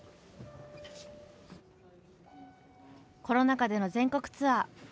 コロナ禍での全国ツアー。